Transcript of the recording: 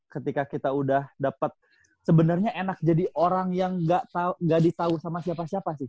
ketika kita udah dapat sebenarnya enak jadi orang yang gak ditahu sama siapa siapa sih